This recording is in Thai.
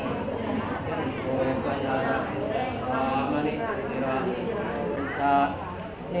ทุติยังปิตพุทธธาเป็นที่พึ่ง